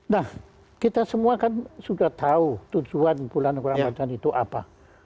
nah kita semua kan sudah tahu tujuan bulan ramadan itu apa